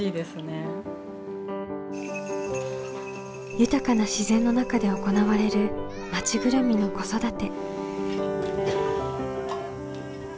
豊かな自然の中で行われる町ぐるみの子育て。